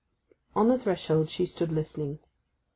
On the threshold she stood listening.